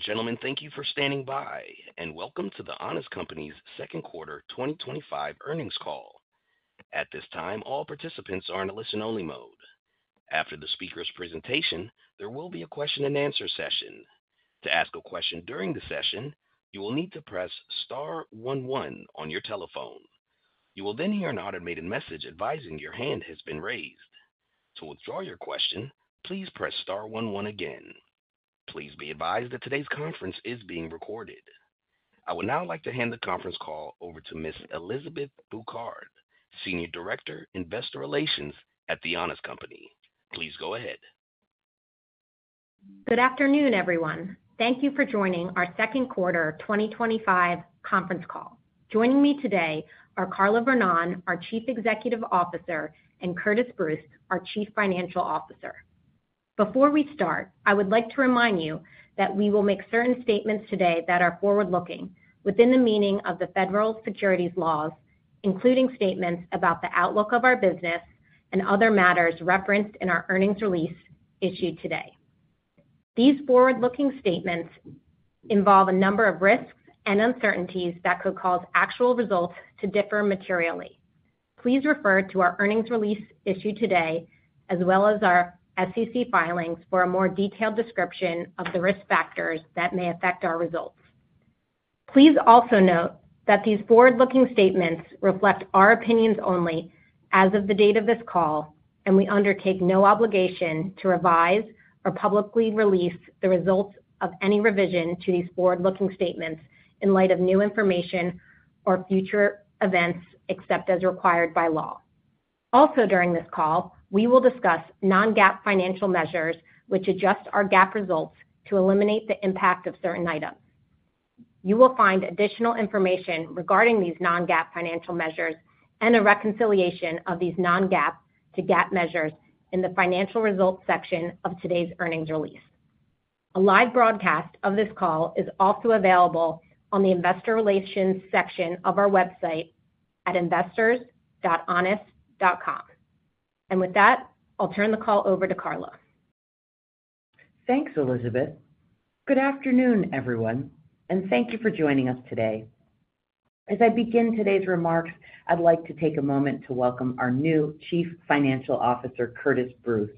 Ladies and gentlemen, thank you for standing by and welcome to The Honest Company's second quarter 2025 earnings call. At this time, all participants are in a listen-only mode. After the speaker's presentation, there will be a question and answer session. To ask a question during the session, you will need to press star one one on your telephone. You will then hear an automated message advising your hand has been raised. To withdraw your question, please press star one one again. Please be advised that today's conference is being recorded. I would now like to hand the conference call over to Ms. Elizabeth Bouquard, Senior Director, Investor Relations at The Honest Company. Please go ahead. Good afternoon, everyone. Thank you for joining our second quarter 2025 conference call. Joining me today are Carla Vernón, our Chief Executive Officer, and Curtiss Bruce, our Chief Financial Officer. Before we start, I would like to remind you that we will make certain statements today that are forward-looking within the meaning of the federal securities laws, including statements about the outlook of our business and other matters referenced in our earnings release issued today. These forward-looking statements involve a number of risks and uncertainties that could cause actual results to differ materially. Please refer to our earnings release issued today, as well as our SEC filings for a more detailed description of the risk factors that may affect our results. Please also note that these forward-looking statements reflect our opinions only as of the date of this call, and we undertake no obligation to revise or publicly release the results of any revision to these forward-looking statements in light of new information or future events except as required by law. Also, during this call, we will discuss non-GAAP financial measures, which adjust our GAAP results to eliminate the impact of certain items. You will find additional information regarding these non-GAAP financial measures and a reconciliation of these non-GAAP to GAAP measures in the financial results section of today's earnings release. A live broadcast of this call is also available on the investor relations section of our website at investors.honest.com. With that, I'll turn the call over to Carla. Thanks, Elizabeth. Good afternoon, everyone, and thank you for joining us today. As I begin today's remarks, I'd like to take a moment to welcome our new Chief Financial Officer, Curtiss Bruce.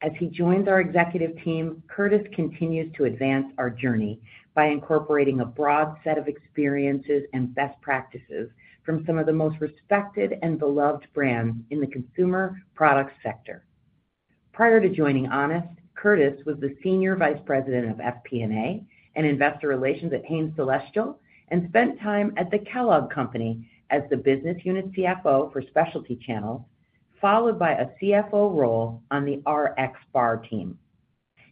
As he joins our executive team, Curtiss continues to advance our journey by incorporating a broad set of experiences and best practices from some of the most respected and beloved brands in the consumer products sector. Prior to joining Honest, Curtiss was the Senior Vice President of FP&A and Investor Relations at Hain Celestial and spent time at the Kellogg Company as the Business Unit CFO for Specialty Channel, followed by a CFO role on the RXBAR team.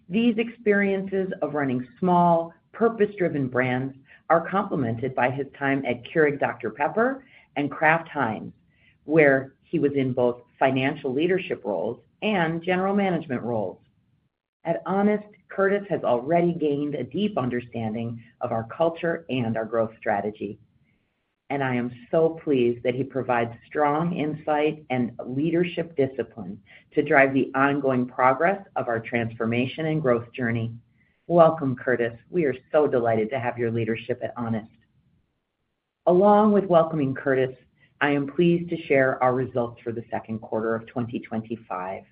These experiences of running small, purpose-driven brands are complemented by his time at Keurig Dr Pepper and Kraft Heinz, where he was in both financial leadership roles and general management roles. At Honest, Curtiss has already gained a deep understanding of our culture and our growth strategy, and I am so pleased that he provides strong insight and leadership discipline to drive the ongoing progress of our transformation and growth journey. Welcome, Curtiss. We are so delighted to have your leadership at Honest. Along with welcoming Curtiss, I am pleased to share our results for the second quarter of 2025.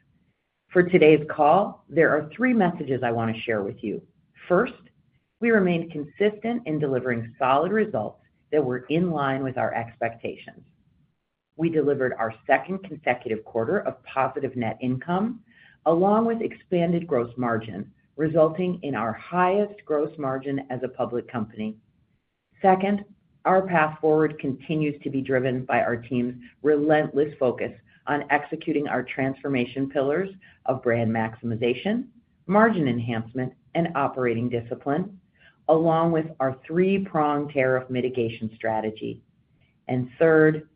For today's call, there are three messages I want to share with you. First, we remained consistent in delivering solid results that were in line with our expectations. We delivered our second consecutive quarter of positive net income, along with expanded gross margin, resulting in our highest gross margin as a public company. Second, our path forward continues to be driven by our team's relentless focus on executing our transformation pillars of brand maximization, margin enhancement, and operating discipline, along with our three-prong tariff mitigation strategy. Third,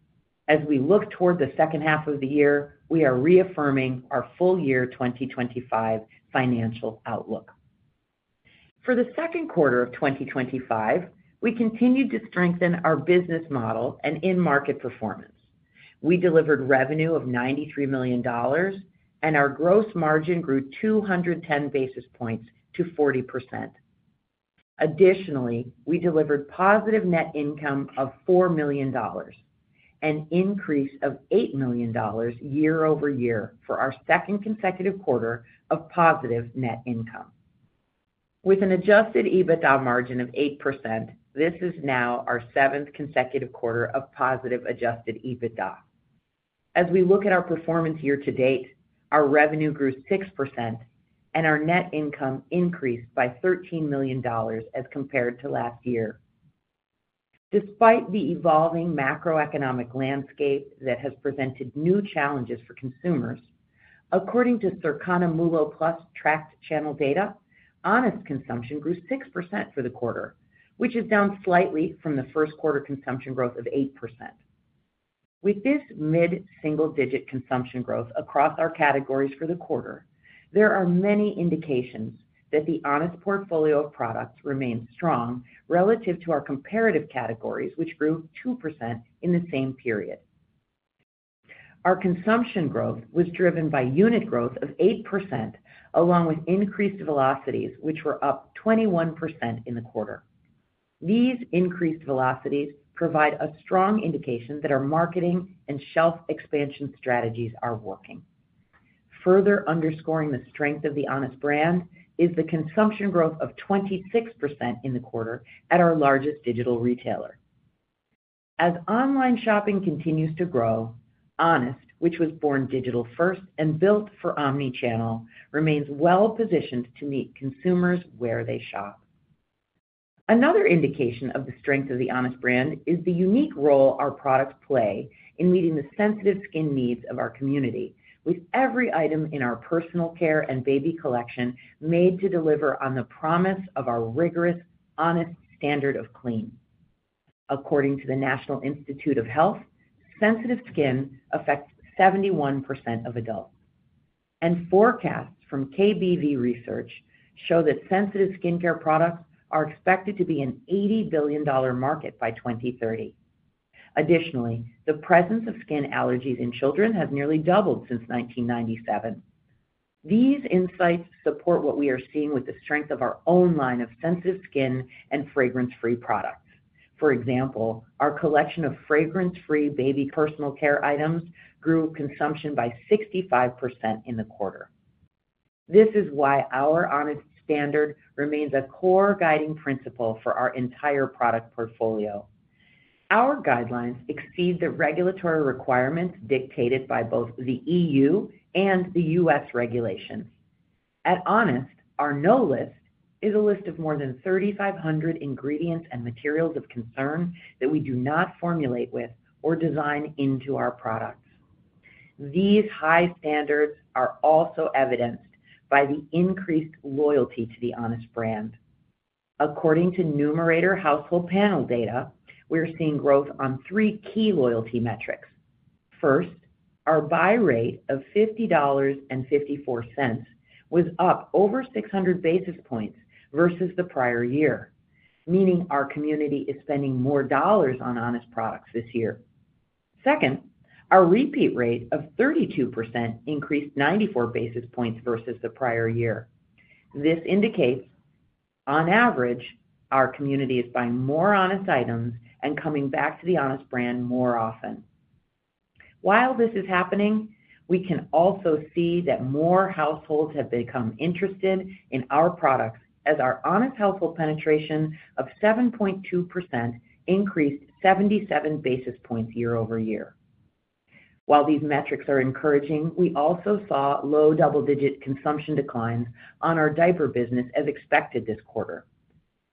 as we look toward the second half of the year, we are reaffirming our full-year 2025 financial outlook. For the second quarter of 2025, we continued to strengthen our business model and in-market performance. We delivered revenue of $93 million, and our gross margin grew 210 basis points to 40%. Additionally, we delivered positive net income of $4 million, an increase of $8 million year-over-year for our second consecutive quarter of positive net income. With an adjusted EBITDA margin of 8%, this is now our seventh consecutive quarter of positive adjusted EBITDA. As we look at our performance year to date, our revenue grew 6%, and our net income increased by $13 million as compared to last year. Despite the evolving macroeconomic landscape that has presented new challenges for consumers, according to Circana MULO+ tracked channel data, Honest consumption grew 6% for the quarter, which is down slightly from the first quarter consumption growth of 8%. With this mid-single-digit consumption growth across our categories for the quarter, there are many indications that the Honest portfolio of products remains strong relative to our comparative categories, which grew 2% in the same period. Our consumption growth was driven by unit growth of 8%, along with increased velocities, which were up 21% in the quarter. These increased velocities provide a strong indication that our marketing and shelf expansion strategies are working. Further underscoring the strength of the Honest brand is the consumption growth of 26% in the quarter at our largest digital retailer. As online shopping continues to grow, Honest, which was born digital-first and built for omnichannel, remains well-positioned to meet consumers where they shop. Another indication of the strength of the Honest brand is the unique role our products play in meeting the sensitive skin needs of our community, with every item in our personal care and baby collection made to deliver on the promise of our rigorous, honest standard of clean. According to the National Institute of Health, sensitive skin affects 71% of adults, and forecasts from KBV Research show that sensitive skincare products are expected to be an $80 billion market by 2030. Additionally, the presence of skin allergies in children has nearly doubled since 1997. These insights support what we are seeing with the strength of our own line of sensitive skin and fragrance-free products. For example, our collection of fragrance-free baby personal care items grew consumption by 65% in the quarter. This is why our Honest standard remains a core guiding principle for our entire product portfolio. Our guidelines exceed the regulatory requirements dictated by both the E.U. and the U.S. regulation. At Honest, our NO List is a list of more than 3,500 ingredients and materials of concern that we do not formulate with or design into our products. These high standards are also evidenced by the increased loyalty to the Honest brand. According to Numerator household panel data, we are seeing growth on three key loyalty metrics. First, our buy rate of $50.54 was up over 600 basis points versus the prior year, meaning our community is spending more dollars on Honest products this year. Second, our repeat rate of 32% increased 94 basis points versus the prior year. This indicates, on average, our community is buying more Honest items and coming back to the Honest brand more often. While this is happening, we can also see that more households have become interested in our products as our Honest household penetration of 7.2% increased 77 basis points year-over-year. While these metrics are encouraging, we also saw low double-digit consumption declines on our diaper business as expected this quarter.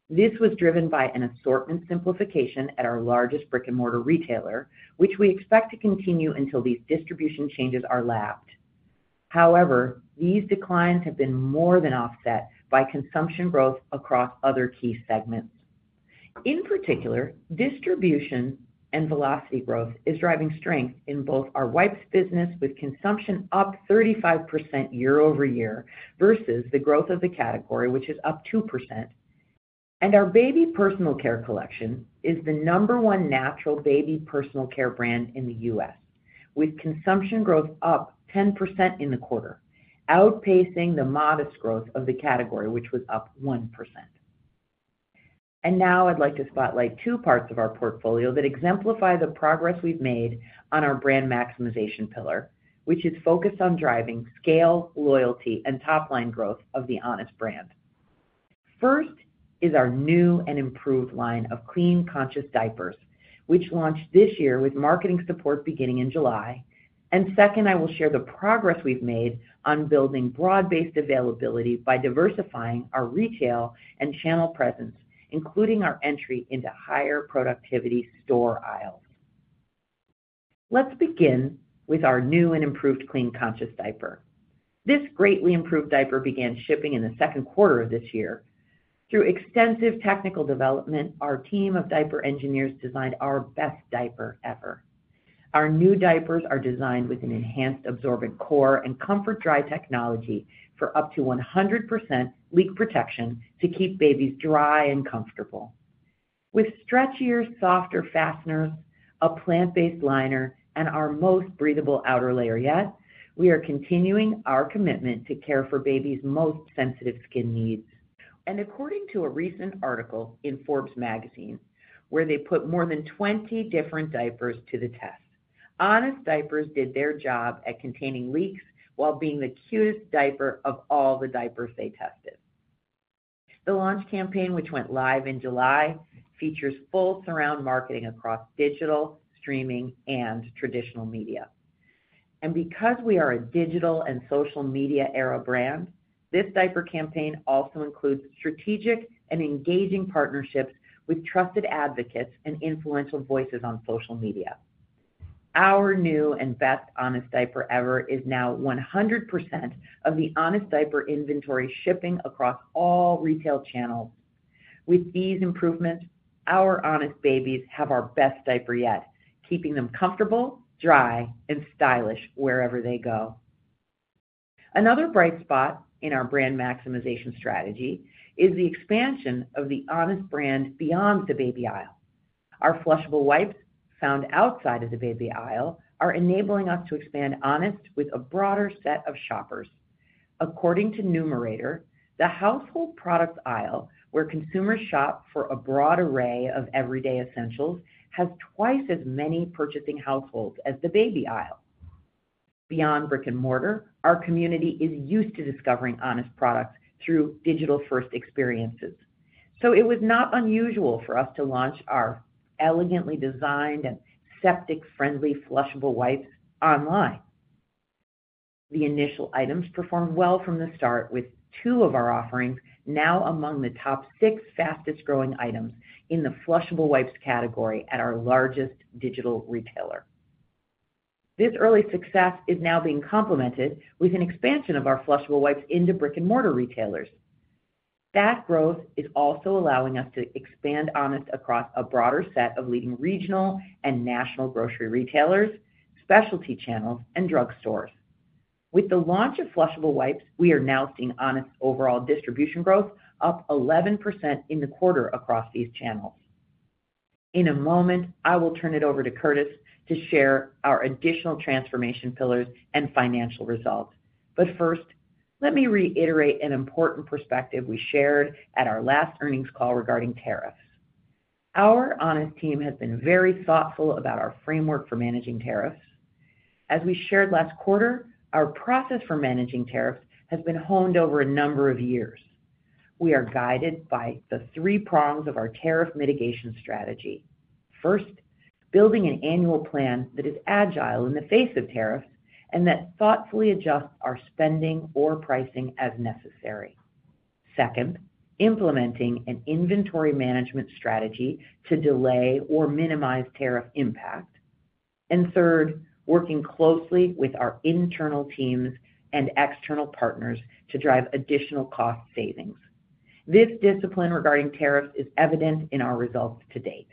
This was driven by an assortment simplification at our largest brick-and-mortar retailer, which we expect to continue until these distribution changes are lapped. However, these declines have been more than offset by consumption growth across other key segments. In particular, distribution and velocity growth is driving strength in both our wipes business, with consumption up 35% year-over-year versus the growth of the category, which is up 2%. Our baby personal care collection is the number one natural baby personal care brand in the U.S., with consumption growth up 10% in the quarter, outpacing the modest growth of the category, which was up 1%. I would like to spotlight two parts of our portfolio that exemplify the progress we've made on our brand maximization pillar, which is focused on driving scale, loyalty, and top-line growth of the Honest brand. First is our new and improved line of clean, conscious diapers, which launched this year with marketing support beginning in July. Second, I will share the progress we've made on building broad-based availability by diversifying our retail and channel presence, including our entry into higher productivity store aisles. Let's begin with our new and improved clean, conscious diaper. This greatly improved diaper began shipping in the second quarter of this year. Through extensive technical development, our team of diaper engineers designed our best diaper ever. Our new diapers are designed with an enhanced absorbent core and comfort dry technology for up to 100% leak protection to keep babies dry and comfortable. With stretchier, softer fasteners, a plant-based liner, and our most breathable outer layer yet, we are continuing our commitment to care for babies' most sensitive skin needs. According to a recent article in Forbes magazine, where they put more than 20 different diapers to the test, Honest diapers did their job at containing leaks while being the cutest diaper of all the diapers they tested. The launch campaign, which went live in July, features full surround marketing across digital, streaming, and traditional media. Because we are a digital and social media era brand, this diaper campaign also includes strategic and engaging partnerships with trusted advocates and influential voices on social media. Our new and best Honest diaper ever is now 100% of the Honest diaper inventory shipping across all retail channels. With these improvements, our Honest babies have our best diaper yet, keeping them comfortable, dry, and stylish wherever they go. Another bright spot in our brand maximization strategy is the expansion of the Honest brand beyond the baby aisle. Our flushable wipes found outside of the baby aisle are enabling us to expand Honest with a broader set of shoppers. According to Numerator, the household product aisle, where consumers shop for a broad array of everyday essentials, has twice as many purchasing households as the baby aisle. Beyond brick-and-mortar, our community is used to discovering Honest products through digital-first experiences. It was not unusual for us to launch our elegantly designed and septic-friendly flushable wipes online. The initial items performed well from the start, with two of our offerings now among the top six fastest growing items in the flushable wipes category at our largest digital retailer. This early success is now being complemented with an expansion of our flushable wipes into brick-and-mortar retailers. That growth is also allowing us to expand Honest across a broader set of leading regional and national grocery retailers, specialty channels, and drugstores. With the launch of flushable wipes, we are now seeing Honest's overall distribution growth up 11% in the quarter across these channels. In a moment, I will turn it over to Curtiss to share our additional transformation pillars and financial results. First, let me reiterate an important perspective we shared at our last earnings call regarding tariffs. Our Honest team has been very thoughtful about our framework for managing tariffs. As we shared last quarter, our process for managing tariffs has been honed over a number of years. We are guided by the three prongs of our tariff mitigation strategy. First, building an annual plan that is agile in the face of tariffs and that thoughtfully adjusts our spending or pricing as necessary. Second, implementing an inventory management strategy to delay or minimize tariff impact. Third, working closely with our internal teams and external partners to drive additional cost savings. This discipline regarding tariffs is evident in our results to date.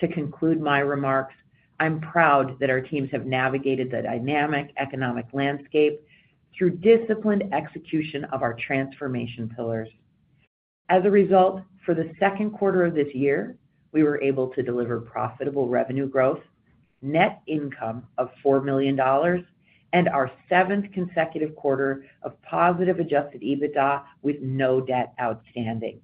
To conclude my remarks, I'm proud that our teams have navigated the dynamic economic landscape through disciplined execution of our transformation pillars. As a result, for the second quarter of this year, we were able to deliver profitable revenue growth, net income of $4 million, and our seventh consecutive quarter of positive adjusted EBITDA with no debt outstanding.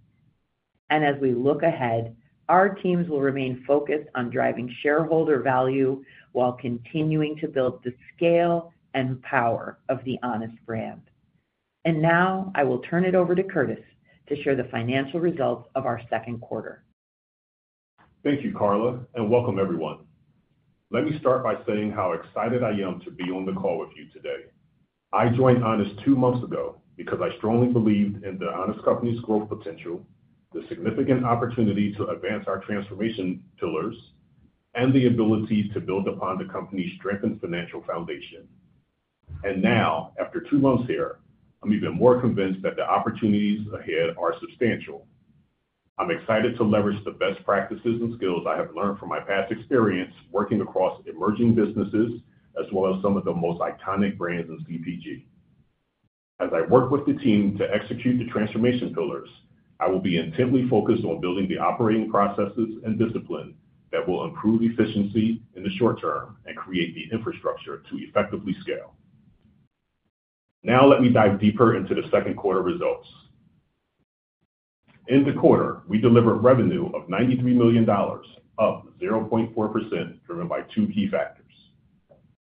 As we look ahead, our teams will remain focused on driving shareholder value while continuing to build the scale and power of the Honest brand. Now I will turn it over to Curtiss to share the financial results of our second quarter. Thank you, Carla, and welcome, everyone. Let me start by saying how excited I am to be on the call with you today. I joined Honest two months ago because I strongly believed in The Honest Company's growth potential, the significant opportunity to advance our transformation pillars, and the ability to build upon the company's strengthened financial foundation. Now, after two months here, I'm even more convinced that the opportunities ahead are substantial. I'm excited to leverage the best practices and skills I have learned from my past experience working across emerging businesses, as well as some of the most iconic brands in CPG. As I work with the team to execute the transformation pillars, I will be intently focused on building the operating processes and discipline that will improve efficiency in the short term and create the infrastructure to effectively scale. Now, let me dive deeper into the second quarter results. In the quarter, we delivered revenue of $93 million, up 0.4%, driven by two key factors.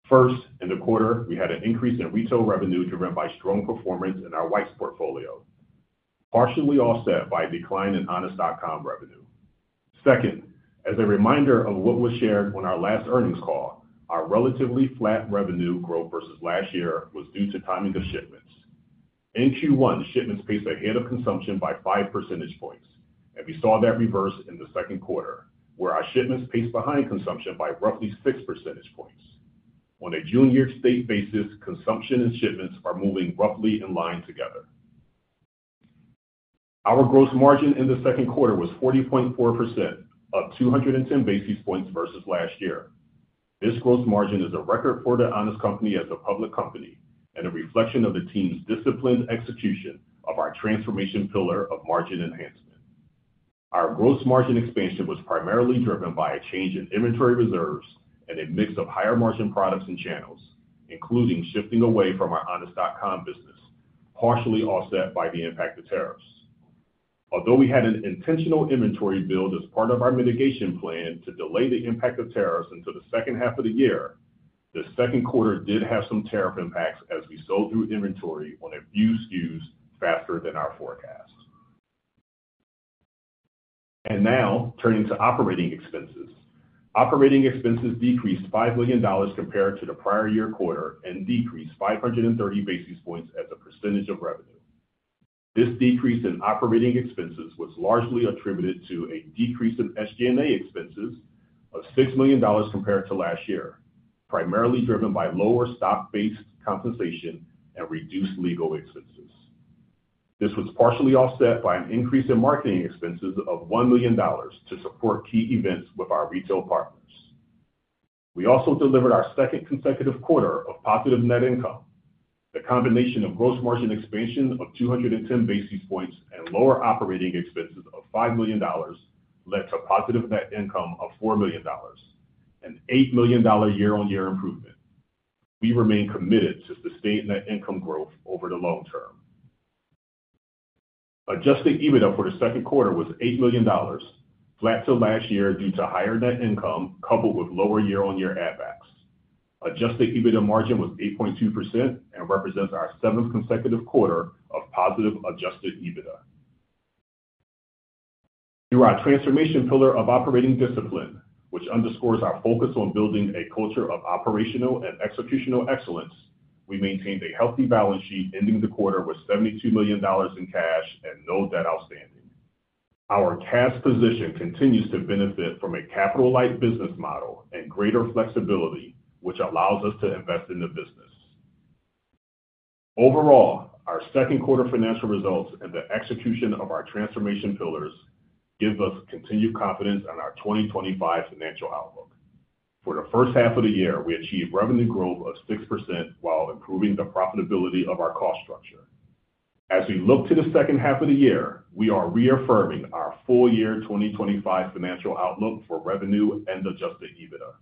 First, in the quarter, we had an increase in retail revenue driven by strong performance in our wipes portfolio, partially offset by a decline in honest.com revenue. Second, as a reminder of what was shared on our last earnings call, our relatively flat revenue growth versus last year was due to timing of shipments. In Q1, shipments paced ahead of consumption by 5 percentage points, and we saw that reverse in the second quarter, where our shipments paced behind consumption by roughly 6 percentage points. On a June-year state basis, consumption and shipments are moving roughly in line together. Our gross margin in the second quarter was 40.4%, up 210 basis points versus last year. This gross margin is a record for The Honest Company as a public company and a reflection of the team's disciplined execution of our transformation pillar of margin enhancement. Our gross margin expansion was primarily driven by a change in inventory reserves and a mix of higher margin products and channels, including shifting away from our honest.com business, partially offset by the impact of tariffs. Although we had an intentional inventory build as part of our mitigation plan to delay the impact of tariffs until the second half of the year, the second quarter did have some tariff impacts as we sold new inventory on a few SKUs faster than our forecast. Turning to operating expenses, operating expenses decreased $5 million compared to the prior year quarter and decreased 530 basis points as a percentage of revenue. This decrease in operating expenses was largely attributed to a decrease in SG&A expenses of $6 million compared to last year, primarily driven by lower stock-based compensation and reduced legal expenses. This was partially offset by an increase in marketing expenses of $1 million to support key events with our retail partners. We also delivered our second consecutive quarter of positive net income. The combination of gross margin expansion of 210 basis points and lower operating expenses of $5 million led to a positive net income of $4 million and $8 million year-on-year improvement. We remain committed to sustained net income growth over the long term. Adjusted EBITDA for the second quarter was $8 million, flat from last year due to higher net income coupled with lower year-on-year add-backs. Adjusted EBITDA margin was 8.2% and represents our seventh consecutive quarter of positive adjusted EBITDA. Through our transformation pillar of operating discipline, which underscores our focus on building a culture of operational and executional excellence, we maintained a healthy balance sheet, ending the quarter with $72 million in cash and no debt outstanding. Our cash position continues to benefit from a capital-light business model and greater flexibility, which allows us to invest in the business. Overall, our second quarter financial results and the execution of our transformation pillars give us continued confidence in our 2025 financial outlook. For the first half of the year, we achieved revenue growth of 6% while improving the profitability of our cost structure. As we look to the second half of the year, we are reaffirming our full-year 2025 financial outlook for revenue and adjusted EBITDA.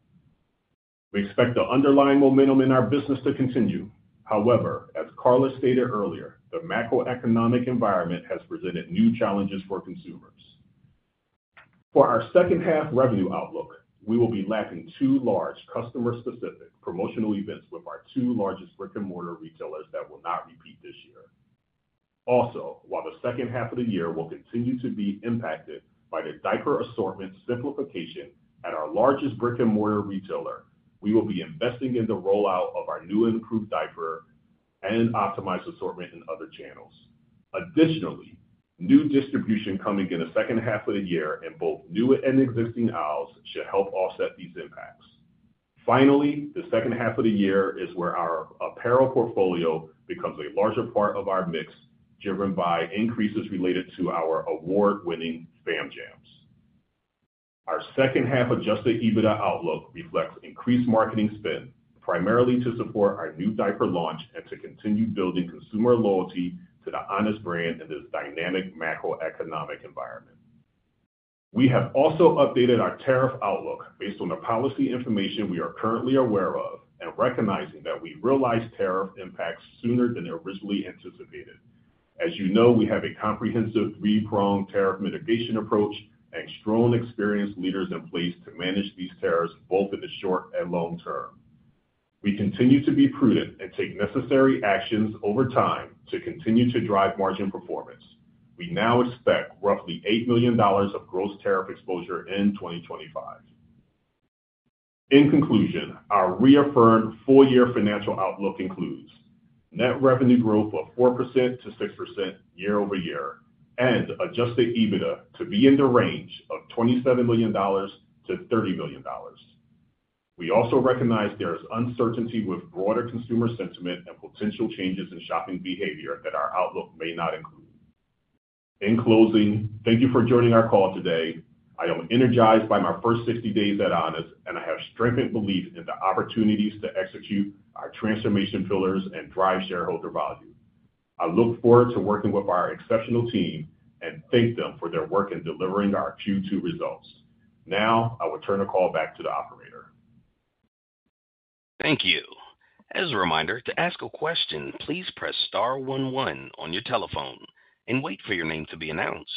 We expect the underlying momentum in our business to continue. However, as Carla stated earlier, the macroeconomic environment has presented new challenges for consumers. For our second half revenue outlook, we will be lapping two large customer-specific promotional events with our two largest brick-and-mortar retailers that will not repeat this year. Also, while the second half of the year will continue to be impacted by the diaper assortment simplification at our largest brick-and-mortar retailer, we will be investing in the rollout of our new and improved diaper and optimized assortment in other channels. Additionally, new distribution coming in the second half of the year in both new and existing aisles should help offset these impacts. Finally, the second half of the year is where our apparel portfolio becomes a larger part of our mix, driven by increases related to our award-winning Fam Jams. Our second half adjusted EBITDA outlook reflects increased marketing spend, primarily to support our new diaper launch and to continue building consumer loyalty to the Honest brand in this dynamic macroeconomic environment. We have also updated our tariff outlook based on the policy information we are currently aware of and recognizing that we realized tariff impacts sooner than originally anticipated. As you know, we have a comprehensive three-pronged tariff mitigation approach and strong experienced leaders in place to manage these tariffs both in the short and long term. We continue to be prudent and take necessary actions over time to continue to drive margin performance. We now expect roughly $8 million of gross tariff exposure in 2025. In conclusion, our reaffirmed full-year financial outlook includes net revenue growth of 4%-6% year-over-year and adjusted EBITDA to be in the range of $27 million-$30 million. We also recognize there is uncertainty with broader consumer sentiment and potential changes in shopping behavior that our outlook may not include. In closing, thank you for joining our call today. I am energized by my first 60 days at Honest, and I have strengthened belief in the opportunities to execute our transformation pillars and drive shareholder value. I look forward to working with our exceptional team and thank them for their work in delivering our Q2 results. Now, I will turn the call back to the operator. Thank you. As a reminder, to ask a question, please press star one one on your telephone and wait for your name to be announced.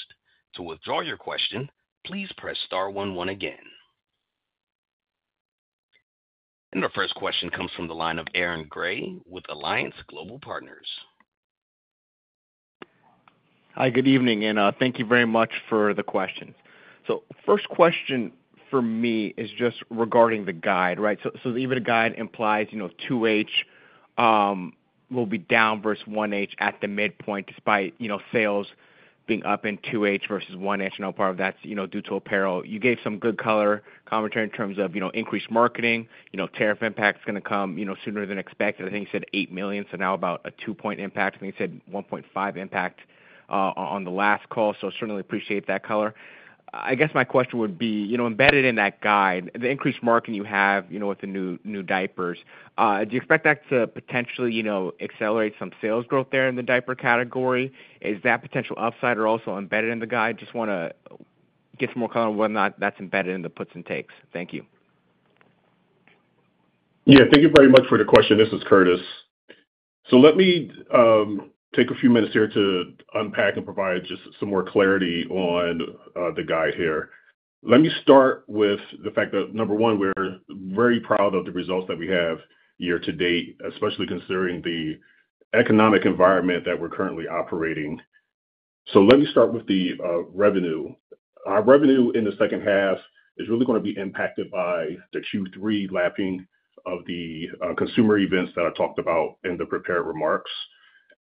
To withdraw your question, please press star one one again. Our first question comes from the line of Aaron Grey with Alliance Global Partners. Hi, good evening, and thank you very much for the questions. First question for me is just regarding the guide, right? The EBITDA guide implies 2H will be down versus 1H at the midpoint despite sales being up in 2H versus 1H, and part of that's due to apparel. You gave some good color commentary in terms of increased marketing, tariff impacts going to come sooner than expected. I think you said $8 million, so now about a two-point impact. I think you said 1.5% impact on the last call, so certainly appreciate that color. My question would be, embedded in that guide, the increased marketing you have with the new diapers, do you expect that to potentially accelerate some sales growth there in the diaper category? Is that potential upside also embedded in the guide? Just want to get some more color on whether or not that's embedded in the puts and takes. Thank you. Thank you very much for the question. This is Curtiss. Let me take a few minutes here to unpack and provide just some more clarity on the guide here. Let me start with the fact that, number one, we're very proud of the results that we have year to date, especially considering the economic environment that we're currently operating. Let me start with the revenue. Our revenue in the second half is really going to be impacted by the Q3 lapping of the consumer events that I talked about in the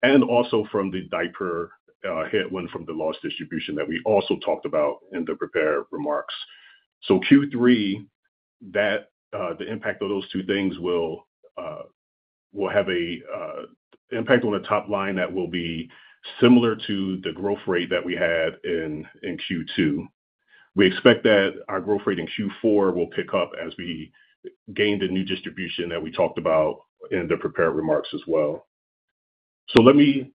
prepared remarks and also from the diaper hit from the lost distribution that we also talked about in the prepared remarks. Q3, the impact of those two things will have an impact on the top line that will be similar to the growth rate that we had in Q2. We expect that our growth rate in Q4 will pick up as we gain the new distribution that we talked about in the prepared remarks as well. Let me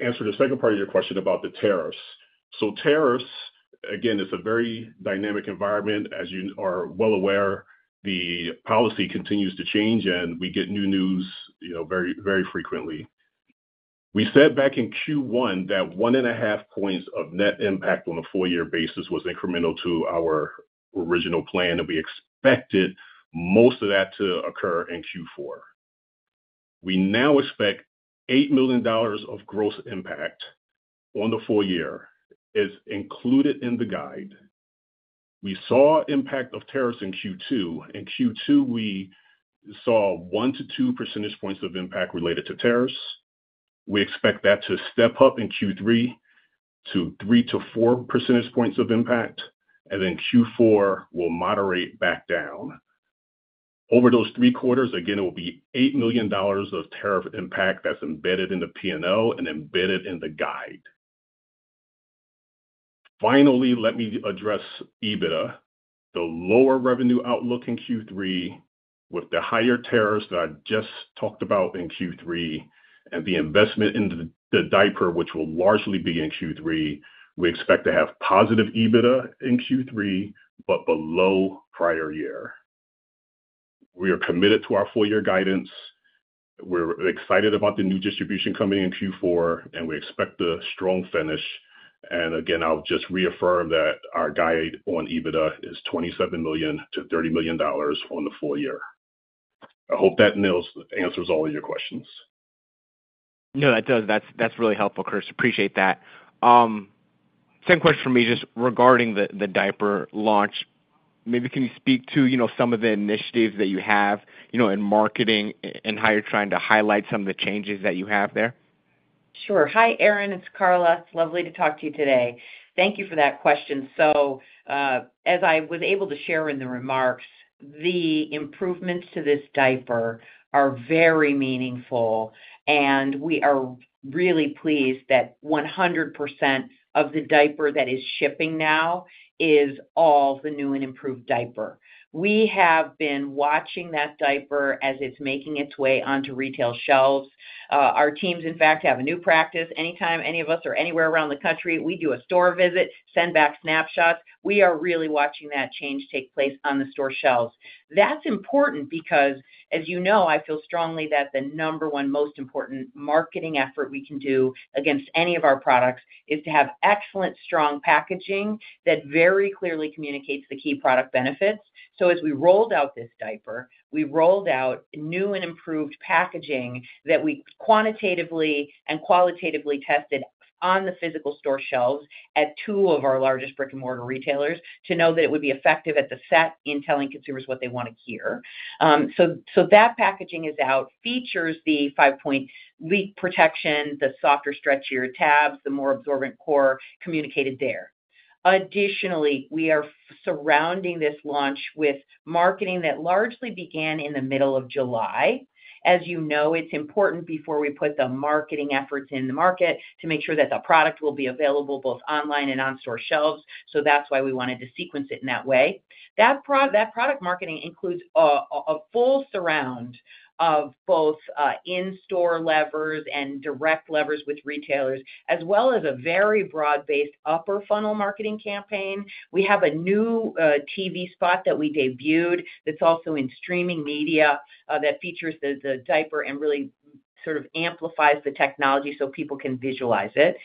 answer the second part of your question about the tariffs. Tariffs, again, it's a very dynamic environment. As you are well aware, the policy continues to change and we get new news very, very frequently. We said back in Q1 that one and a half points of net impact on a full-year basis was incremental to our original plan, and we expected most of that to occur in Q4. We now expect $8 million of gross impact on the full year. It's included in the guide. We saw impact of tariffs in Q2. In Q2, we saw 1%-2% of impact related to tariffs. We expect that to step up in Q3 to 3%-4% of impact, and Q4 will moderate back down. Over those three quarters, it will be $8 million of tariff impact that's embedded in the P&L and embedded in the guide. Finally, let me address EBITDA. The lower revenue outlook in Q3 with the higher tariffs that I just talked about in Q3 and the investment into the diaper, which will largely be in Q3, we expect to have positive EBITDA in Q3, but below prior year. We are committed to our full-year guidance. We're excited about the new distribution coming in Q4, and we expect a strong finish. I'll just reaffirm that our guide on EBITDA is $27 million-$30 million on the full year. I hope that answers all of your questions. No, that does. That's really helpful, Curtiss. Appreciate that. Same question for me just regarding the diaper launch. Maybe can you speak to some of the initiatives that you have in marketing and how you're trying to highlight some of the changes that you have there? Sure. Hi, Aaron. It's Carla. Lovely to talk to you today. Thank you for that question. As I was able to share in the remarks, the improvements to this diaper are very meaningful, and we are really pleased that 100% of the diaper that is shipping now is all the new and improved diaper. We have been watching that diaper as it's making its way onto retail shelves. Our teams, in fact, have a new practice. Anytime any of us are anywhere around the country, we do a store visit, send back snapshots. We are really watching that change take place on the store shelves. That's important because, as you know, I feel strongly that the number one most important marketing effort we can do against any of our products is to have excellent, strong packaging that very clearly communicates the key product benefits. As we rolled out this diaper, we rolled out new and improved packaging that we quantitatively and qualitatively tested on the physical store shelves at two of our largest brick-and-mortar retailers to know that it would be effective at the set in telling consumers what they want to hear. That packaging is out, features the five-point leak protection, the softer, stretchier tabs, the more absorbent core communicated there. Additionally, we are surrounding this launch with marketing that largely began in the middle of July. As you know, it's important before we put the marketing efforts in the market to make sure that the product will be available both online and on store shelves. That's why we wanted to sequence it in that way. That product marketing includes a full surround of both in-store levers and direct levers with retailers, as well as a very broad-based upper funnel marketing campaign. We have a new TV spot that we debuted that's also in streaming media that features the diaper and really sort of amplifies the technology so people can visualize it.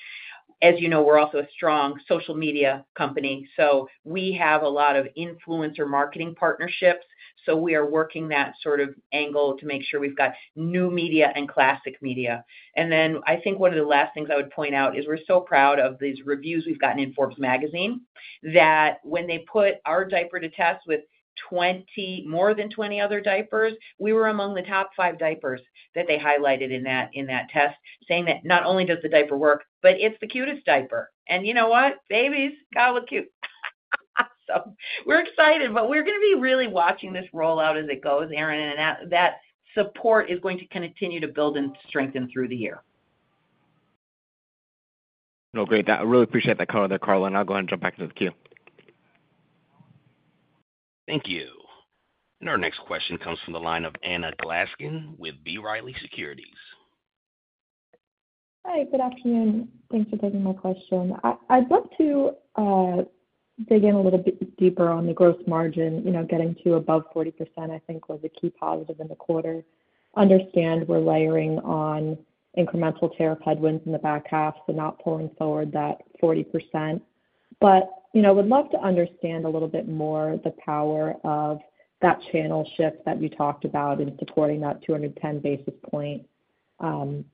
As you know, we're also a strong social media company, so we have a lot of influencer marketing partnerships. We are working that sort of angle to make sure we've got new media and classic media. I think one of the last things I would point out is we're so proud of these reviews we've gotten in Forbes magazine that when they put our diaper to test with 20, more than 20 other diapers, we were among the top five diapers that they highlighted in that test, saying that not only does the diaper work, but it's the cutest diaper. You know what? Babies? God, what cute. We're excited, but we're going to be really watching this rollout as it goes, Aaron, and that support is going to continue to build and strengthen through the year. No, great. I really appreciate that color there, Carla, and I'll go ahead and jump back into the queue. Thank you. Our next question comes from the line of Anna Glaessgen with B. Riley Securities. Hi, good afternoon. Thanks for taking my question. I'd love to dig in a little bit deeper on the gross margin. Getting to above 40% was a key positive in the quarter. I understand we're layering on incremental tariff headwinds in the back half, but not pulling forward that 40%. I would love to understand a little bit more the power of that channel shift that you talked about in supporting that 210 basis point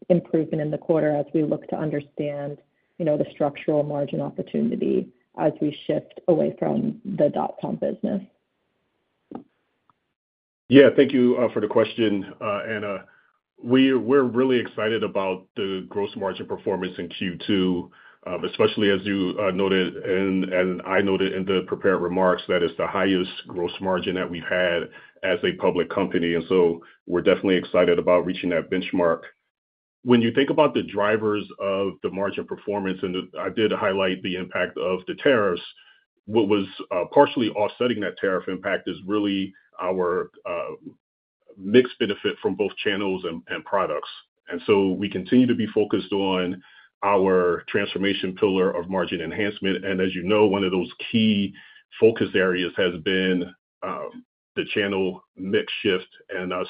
improvement in the quarter as we look to understand the structural margin opportunity as we shift away from the dot-com business. Thank you for the question, Anna. We're really excited about the gross margin performance in Q2, especially as you noted and I noted in the prepared remarks that it's the highest gross margin that we've had as a public company. We're definitely excited about reaching that benchmark. When you think about the drivers of the margin performance, and I did highlight the impact of the tariffs, what was partially offsetting that tariff impact is really our mix benefit from both channels and products. We continue to be focused on our transformation pillar of margin enhancement. As you know, one of those key focus areas has been the channel mix shift and us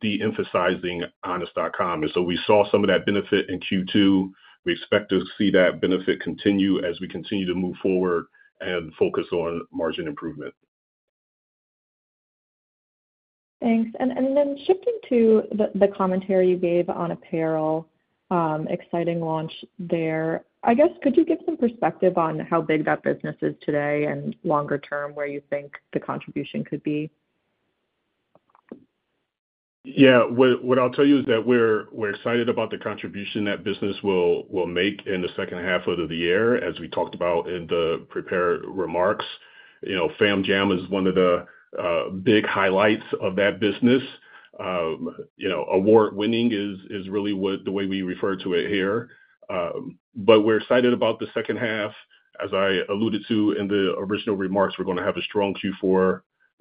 de-emphasizing honest.com. We saw some of that benefit in Q2. We expect to see that benefit continue as we continue to move forward and focus on margin improvement. Thanks. Shifting to the commentary you gave on apparel, exciting launch there. I guess could you give some perspective on how big that business is today and longer term where you think the contribution could be? Yeah, what I'll tell you is that we're excited about the contribution that business will make in the second half of the year, as we talked about in the prepared remarks. Fam Jams is one of the big highlights of that business. Award-winning is really the way we refer to it here. We're excited about the second half. As I alluded to in the original remarks, we're going to have a strong Q4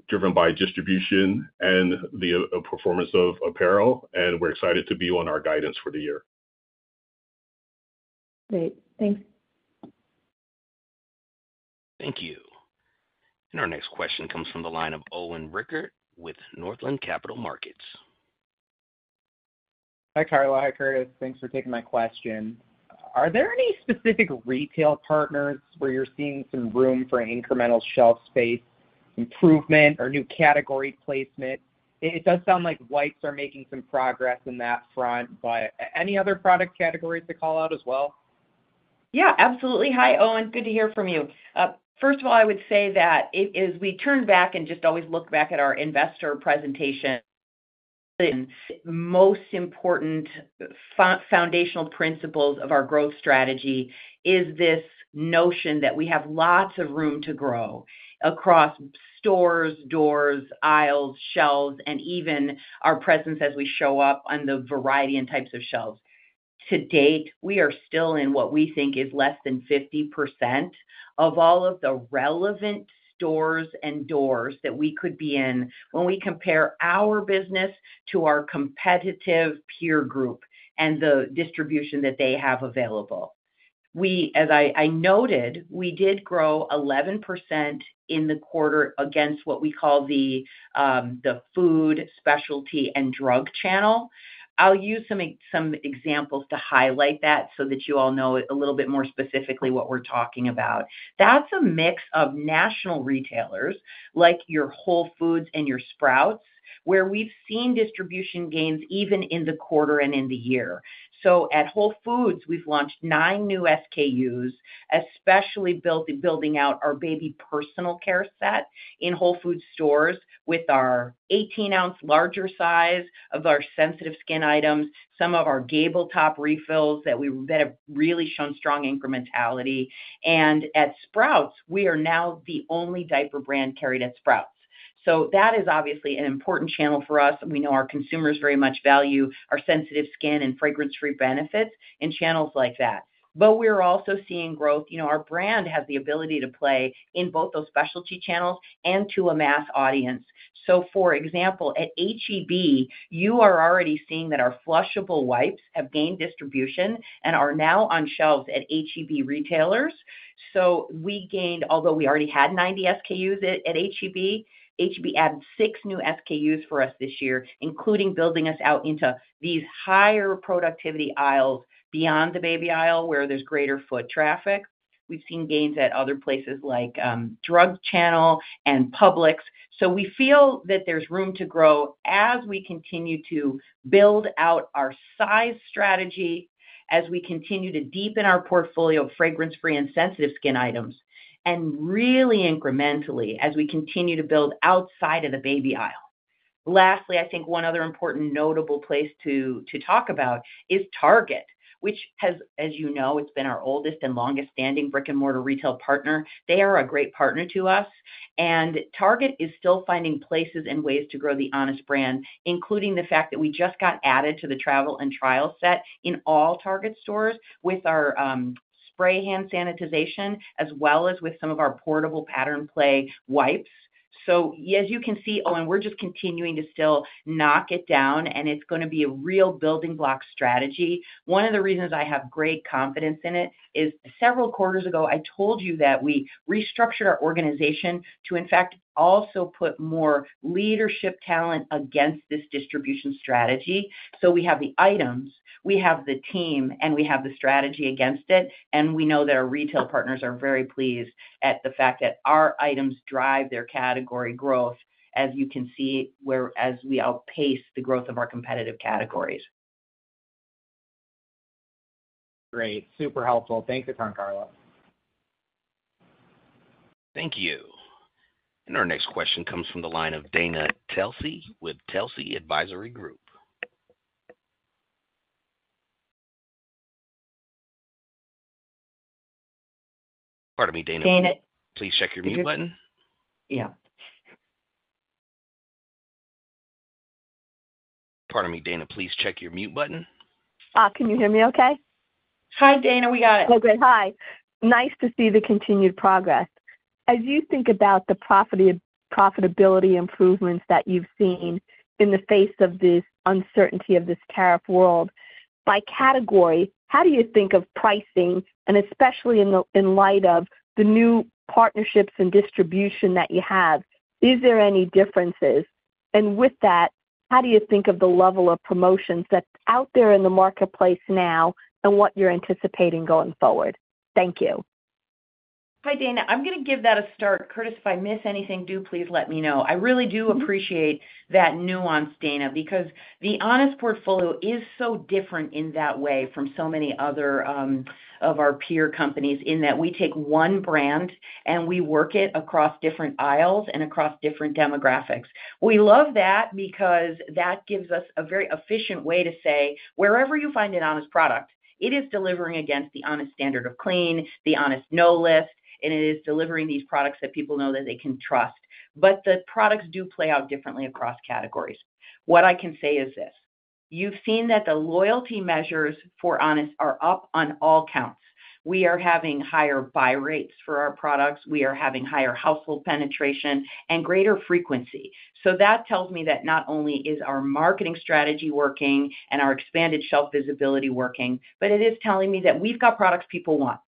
driven by distribution and the performance of apparel, and we're excited to be on our guidance for the year. Great. Thanks. Thank you. Our next question comes from the line of Owen Rickert with Northland Capital Markets. Hi, Carla. Hi, Curtiss. Thanks for taking my question. Are there any specific retail partners where you're seeing some room for incremental shelf space improvement or new category placement? It does sound like wipes are making some progress in that front, but any other product categories to call out as well? Yeah, absolutely. Hi, Owen. Good to hear from you. First of all, I would say that as we turn back and just always look back at our investor presentation, the most important foundational principles of our growth strategy are this notion that we have lots of room to grow across stores, doors, aisles, shelves, and even our presence as we show up on the variety and types of shelves. To date, we are still in what we think is less than 50% of all of the relevant stores and doors that we could be in when we compare our business to our competitive peer group and the distribution that they have available. We, as I noted, did grow 11% in the quarter against what we call the food, specialty, and drug channel. I'll use some examples to highlight that so that you all know a little bit more specifically what we're talking about. That's a mix of national retailers like your Whole Foods and your Sprouts, where we've seen distribution gains even in the quarter and in the year. At Whole Foods, we've launched nine new SKUs, especially building out our baby personal care set in Whole Foods stores with our 18-ounce larger size of our sensitive skin items, some of our Gable top refills that have really shown strong incrementality. At Sprouts, we are now the only diaper brand carried at Sprouts. That is obviously an important channel for us. We know our consumers very much value our sensitive skin and fragrance-free benefits in channels like that. We are also seeing growth. Our brand has the ability to play in both those specialty channels and to a mass audience. For example, at H-E-B, you are already seeing that our flushable wipes have gained distribution and are now on shelves at H-E-B retailers. We gained, although we already had 90 SKUs at H-E-B, H-E-B added six new SKUs for us this year, including building us out into these higher productivity aisles beyond the baby aisle where there's greater foot traffic. We've seen gains at other places like drug channel and Publix. We feel that there's room to grow as we continue to build out our size strategy, as we continue to deepen our portfolio of fragrance-free and sensitive skin items, and really incrementally as we continue to build outside of the baby aisle. Lastly, I think one other important notable place to talk about is Target, which has, as you know, it's been our oldest and longest-standing brick-and-mortar retail partner. They are a great partner to us. Target is still finding places and ways to grow the Honest brand, including the fact that we just got added to the travel and trial set in all Target stores with our spray hand sanitization, as well as with some of our portable Pattern Play wipes. As you can see, Owen, we're just continuing to still knock it down, and it's going to be a real building block strategy. One of the reasons I have great confidence in it is several quarters ago, I told you that we restructured our organization to, in fact, also put more leadership talent against this distribution strategy. We have the items, we have the team, and we have the strategy against it. We know that our retail partners are very pleased at the fact that our items drive their category growth, as you can see, whereas we outpace the growth of our competitive categories. Great. Super helpful. Thanks a ton, Carla. Thank you. Our next question comes from the line of Dana Telsey with Telsey Advisory Group. Pardon me, Dana. Please check your mute button. Yeah. Pardon me, Dana. Please check your mute button. Can you hear me okay? Hi, Dana. We got it. Oh, good. Hi. Nice to see the continued progress. As you think about the profitability improvements that you've seen in the face of this uncertainty of this tariff world, by category, how do you think of pricing? Especially in light of the new partnerships and distribution that you have, is there any differences? How do you think of the level of promotions that's out there in the marketplace now and what you're anticipating going forward? Thank you. Hi, Dana. I'm going to give that a start. Curtiss, if I miss anything, do please let me know. I really do appreciate that nuance, Dana, because the Honest portfolio is so different in that way from so many other of our peer companies in that we take one brand and we work it across different aisles and across different demographics. We love that because that gives us a very efficient way to say, wherever you find an Honest product, it is delivering against the Honest standard of clean, the Honest NO List, and it is delivering these products that people know that they can trust. The products do play out differently across categories. What I can say is this. You've seen that the loyalty measures for Honest are up on all counts. We are having higher buy rates for our products. We are having higher household penetration and greater frequency. That tells me that not only is our marketing strategy working and our expanded shelf visibility working, but it is telling me that we've got products people want.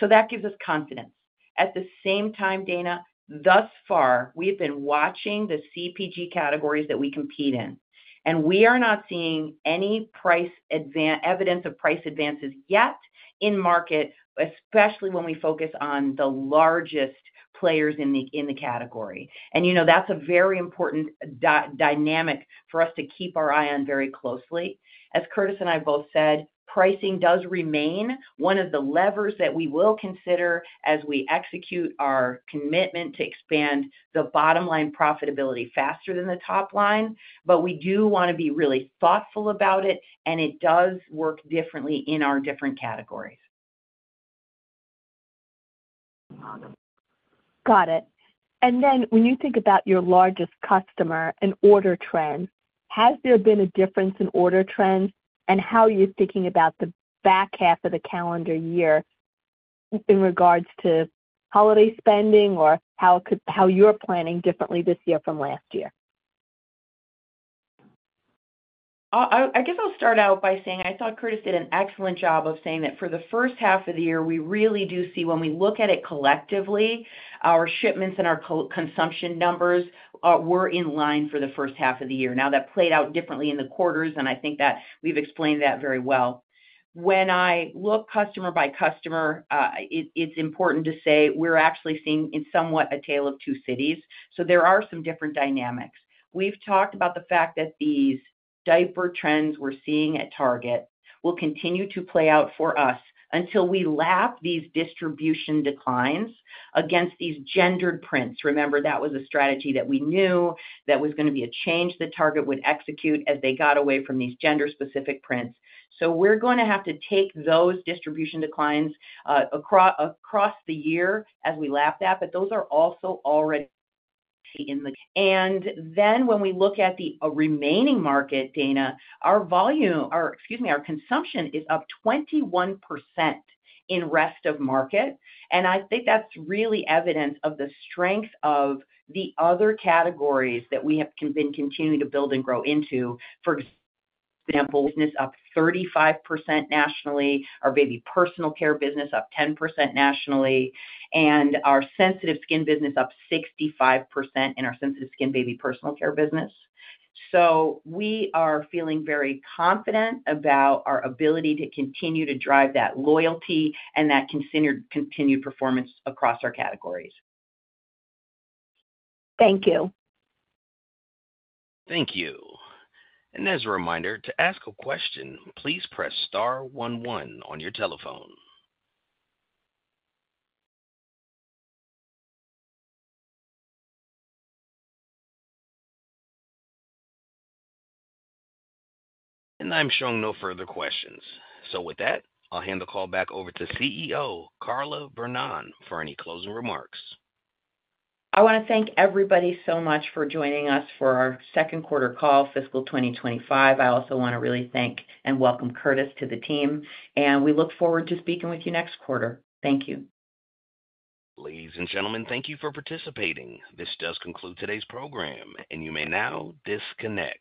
That gives us confidence. At the same time, Dana, thus far, we have been watching the CPG categories that we compete in. We are not seeing any evidence of price advances yet in market, especially when we focus on the largest players in the category. You know, that's a very important dynamic for us to keep our eye on very closely. As Curtiss and I both said, pricing does remain one of the levers that we will consider as we execute our commitment to expand the bottom line profitability faster than the top line. We do want to be really thoughtful about it, and it does work differently in our different categories. Got it. When you think about your largest customer and order trend, has there been a difference in order trends, and how are you thinking about the back half of the calendar year in regards to holiday spending or how you're planning differently this year from last year? I guess I'll start out by saying I thought Curtiss did an excellent job of saying that for the first half of the year, we really do see, when we look at it collectively, our shipments and our consumption numbers were in line for the first half of the year. That played out differently in the quarters, and I think that we've explained that very well. When I look customer by customer, it's important to say we're actually seeing it somewhat a tale of two cities. There are some different dynamics. We've talked about the fact that these diaper trends we're seeing at Target will continue to play out for us until we lap these distribution declines against these gendered prints. Remember, that was a strategy that we knew that was going to be a change that Target would execute as they got away from these gender-specific prints. We're going to have to take those distribution declines across the year as we lap that, but those are also already in. When we look at the remaining market, Dana, our volume, or excuse me, our consumption is up 21% in the rest of the market. I think that's really evidence of the strength of the other categories that we have been continuing to build and grow into. For example, business up 35% nationally, our baby personal care business up 10% nationally, and our sensitive skin business up 65% in our sensitive skin baby personal care business. We are feeling very confident about our ability to continue to drive that loyalty and that continued performance across our categories. Thank you. Thank you. As a reminder, to ask a question, please press star one one on your telephone. I'm showing no further questions. With that, I'll hand the call back over to CEO Carla Vernón for any closing remarks. I want to thank everybody so much for joining us for our second quarter call, fiscal 2025. I also want to really thank and welcome Curtiss to the team. We look forward to speaking with you next quarter. Thank you. Ladies and gentlemen, thank you for participating. This does conclude today's program, and you may now disconnect.